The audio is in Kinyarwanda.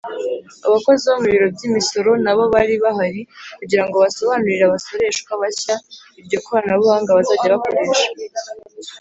Abakozi bo mu biro by’imisoro nabo bari bahari kugirango basobanurire abaasoreshwa bashya iryo koranabuhanga bazajya bazkoresha.